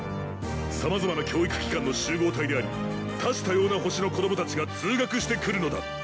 ［様々な教育機関の集合体であり多種多様な星の子供たちが通学してくるのだ］